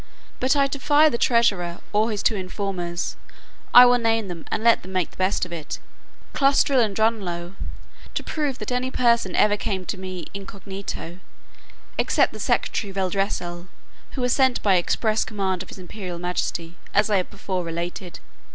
But I defy the treasurer, or his two informers (I will name them, and let them make the best of it) Clustril and Drunlo, to prove that any person ever came to me incognito, except the secretary Reldresal, who was sent by express command of his imperial majesty, as I have before related.